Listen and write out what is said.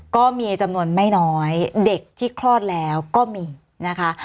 ก็มีจำนวนไม่น้อยเด็กที่คลอดแล้วก็มีนะคะ